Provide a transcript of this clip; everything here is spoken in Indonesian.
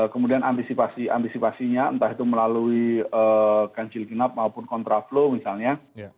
kemudian antisipasinya entah itu melalui kancil kinap maupun kontra flow misalnya